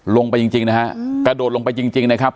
ลงไปจริงนะฮะกระโดดลงไปจริงนะครับ